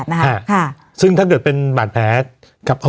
วันนี้แม่ช่วยเงินมากกว่า